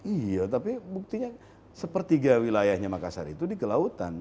iya tapi buktinya sepertiga wilayahnya makassar itu di kelautan